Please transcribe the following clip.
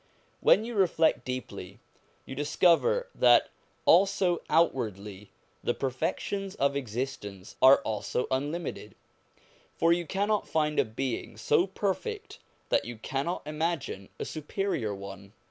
When you reflect deeply, you discover that also outwardly the perfections of existence are also unlimited, for you cannot find a being so perfect that you cannot imagine a superior one.